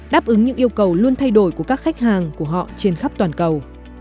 đáp ứng những yêu cầu luôn thay đổi của các khách hàng của họ trên khắp toàn cầu